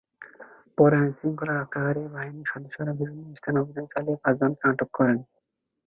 পরে আইনশৃঙ্খলা রক্ষাকারী বাহিনীর সদস্যরা বিভিন্ন স্থানে অভিযান চালিয়ে পাঁচজনকে আটক করেন।